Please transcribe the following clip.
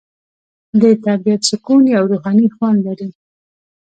د طبیعت سکون یو روحاني خوند لري.